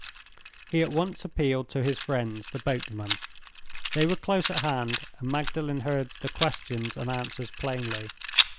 He at once appealed to his friends, the boatmen. They were close at hand, and Magdalen heard the questions and answers plainly.